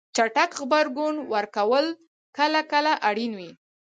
چټک غبرګون ورکول کله کله اړین وي.